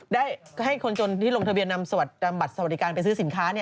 ได้ให้คนจนที่ลงทะเบียนนำบัตรสวัสดิการไปซื้อสินค้า